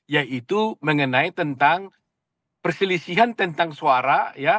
yaitu mengenai tentang perselisihan tentang suara